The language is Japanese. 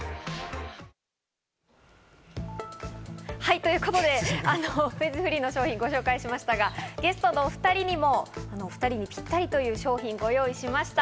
ということでフェーズフリーの商品をご紹介しましたが、ゲストのお２人にも２人にぴったりという商品をご用意しました。